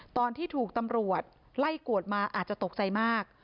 ตอนที่ถูกตำรวจไล่กวดมาอาจจะตกใจมาก